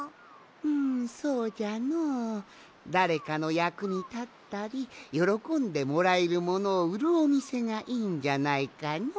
んそうじゃのだれかのやくにたったりよろこんでもらえるものをうるおみせがいいんじゃないかの？